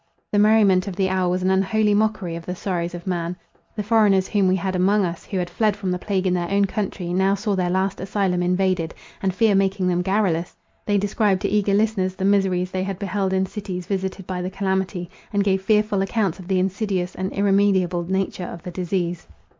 The merriment of the hour was an unholy mockery of the sorrows of man. The foreigners whom we had among us, who had fled from the plague in their own country, now saw their last asylum invaded; and, fear making them garrulous, they described to eager listeners the miseries they had beheld in cities visited by the calamity, and gave fearful accounts of the insidious and irremediable nature of the disease.